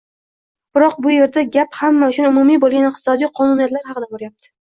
biroq bu yerda gap hamma uchun umumiy bo‘lgan iqtisodiy qonuniyatlar haqida boryapti.